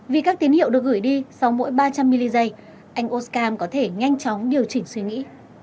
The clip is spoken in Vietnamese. vì các tín hiệu được gửi đi sau mỗi ba trăm linh mili giây anh oskar có thể nhanh chóng điều chỉnh suy nghĩ